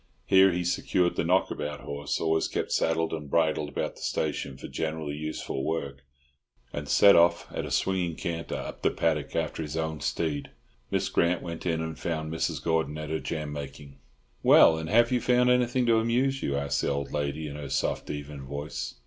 Here he secured the "knockabout" horse, always kept saddled and bridled about the station for generally useful work, and set off at a swinging canter up the paddock after his own steed. Miss Grant went in and found Mrs. Gordon at her jam making. "Well, and have you found anything to amuse you?" asked the old lady in her soft, even voice.